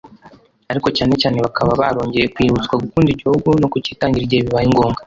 ariko cyane cyane bakaba barongeye kwibutswa gukunda igihugu no kukitangira igihe bibaye ngombwa